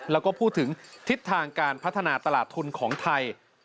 แล้วก็พูดถึงทิศทางการพัฒนาตลาดทุนของไทย